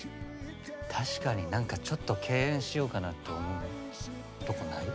確かに何かちょっと敬遠しようかなと思うとこない？